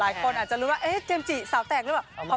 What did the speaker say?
หลายคนอาจารู้ว่าเจมส์จะเอกหรือเปล่า